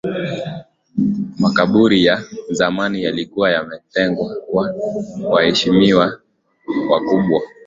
Makaburi ya zamani yalikuwa yametengwa kwa waheshimiwa wakubwa